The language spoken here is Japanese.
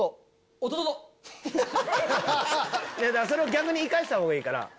それを逆に生かしたほうがいいから。